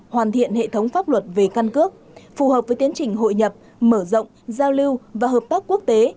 hoàn thiện hệ thống pháp luật về căn cước phù hợp với tiến trình hội nhập mở rộng giao lưu và hợp tác quốc tế